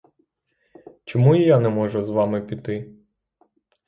Чому і я не можу з вами піти?